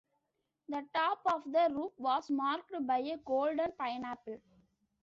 The top of the roof was marked by a golden pineapple.